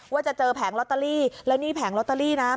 ว่าจะเจอแผงลอตเตอรี่แล้วนี่แผงลอตเตอรี่นะ